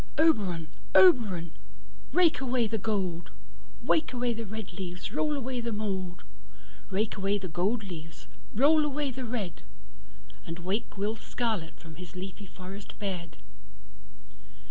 Oberon, Oberon, rake away the gold, Rake away the red leaves, roll away the mould, Rake away the gold leaves, roll away the red, And wake Will Scarlett from his leafy forest bed.